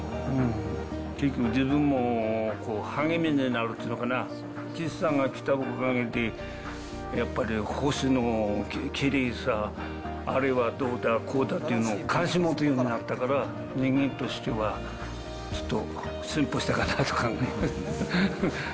結局、自分も励みになるっていうのかな、岸さんが来たおかげで、やっぱり、星のきれいさ、あるいはどうだこうだというのを、関心を持つようになったから、人間としては、ちょっと進歩したかなって考えてます。